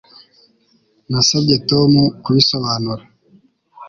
Nasabye Tom kubisobanura